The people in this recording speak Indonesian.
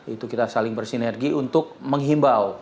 itu kita saling bersinergi untuk menghimbau